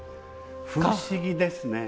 不思議ですね。